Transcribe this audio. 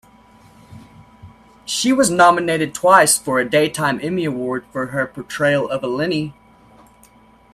She was nominated twice for a Daytime Emmy Award for her portrayal of Eleni.